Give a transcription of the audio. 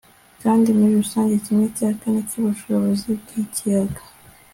kandi muri rusange, kimwe cya kane cyubushobozi bwikiyaga